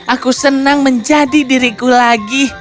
aku senang menjadi diriku lagi